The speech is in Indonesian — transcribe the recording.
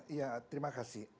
ya terima kasih